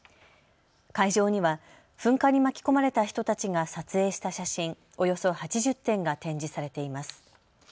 会場には噴火に巻き込まれた人たちが撮影した写真およそ８０点が展示されています。